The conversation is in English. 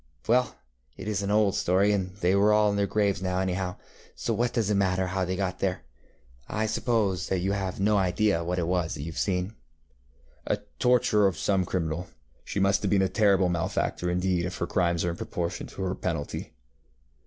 Well, it is an old story, and they are all in their graves now anyhow, so what does it matter how they got there. I suppose that you have no idea what it was that you have seen? ŌĆØ ŌĆ£The torture of some criminal. She must have been a terrible malefactor indeed if her crimes are in proportion to her penalty.